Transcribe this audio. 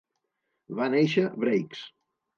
Va néixer Brakes.